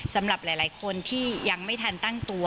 สำหรับหลายคนที่ยังไม่ทันตั้งตัว